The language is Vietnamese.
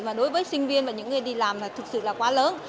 và đối với sinh viên và những người đi làm là thực sự là quá lớn